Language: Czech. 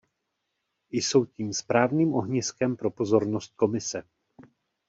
Jsou tím správným ohniskem pro pozornost Komise.